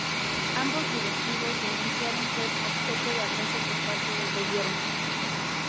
Ambos directivos denunciaron ser objeto de acoso por parte del Gobierno.